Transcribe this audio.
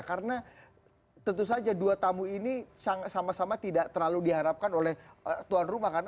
karena tentu saja dua tamu ini sama sama tidak terlalu diharapkan oleh tuan rumah kan